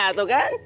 nah haha tuh kan